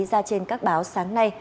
ra trên các báo sáng nay